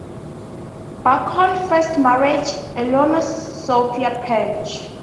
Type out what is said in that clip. Bacon first married Eleanor Sophia Page.